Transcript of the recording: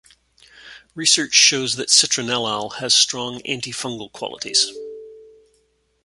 Research shows that citronellal has strong antifungal qualities.